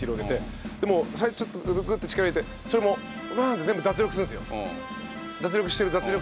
最初ちょっとグググッて力入れてそれもバーンって全部脱力するんですよ。